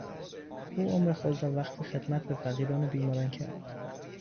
او عمر خود را وقف خدمت به فقیران و بیماران کرد.